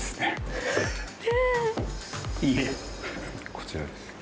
こちらです。